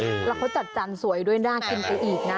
แล้วเขาจัดจานสวยด้วยน่ากินไปอีกนะ